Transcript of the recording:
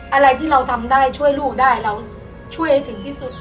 อะไรที่เราทำได้ช่วยลูกได้เราช่วยให้ถึงที่สุด